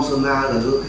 hàng là cái gì